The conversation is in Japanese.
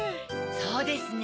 そうですね。